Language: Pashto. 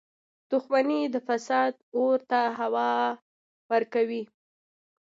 • دښمني د فساد اور ته هوا ورکوي.